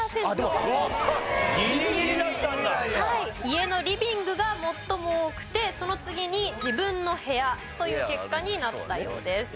家のリビングが最も多くてその次に自分の部屋という結果になったようです。